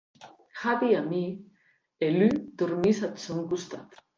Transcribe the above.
Javi amie e Lu dormís ath sòn costat.